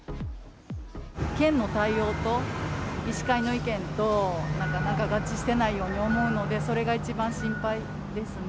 県の対応と医師会の意見と、なんか合致してないように思うので、それが一番心配ですね。